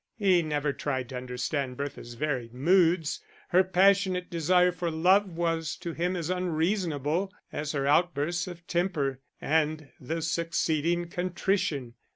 He never tried to understand Bertha's varied moods; her passionate desire for love was to him as unreasonable as her outbursts of temper and the succeeding contrition.